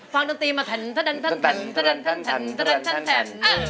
ฟังดนตรีมาทันทันทันทันทันทันทันทันทันทันทันทัน